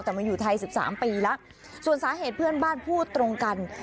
แต่มาอยู่ไทยสิบสามปีแล้วส่วนสาเหตุเพื่อนบ้านพูดตรงกัน